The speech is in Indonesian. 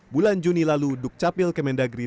bulan juni lalu duk capil kemendagri